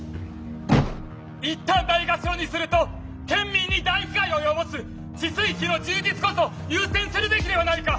いったんないがしろにすると県民に大被害を及ぼす治水費の充実こそ優先するべきではないか！